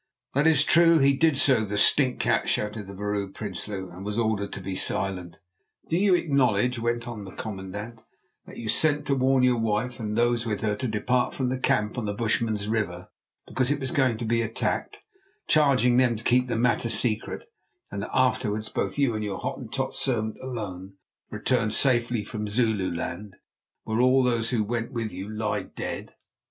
"That is true; he did so, the stinkcat," shouted the Vrouw Prinsloo, and was ordered to be silent. "Do you acknowledge," went on the commandant, "that you sent to warn your wife and those with her to depart from the camp on the Bushman's River, because it was going to be attacked, charging them to keep the matter secret, and that afterwards both you and your Hottentot servant alone returned safely from Zululand, where all those who went with you lie dead?"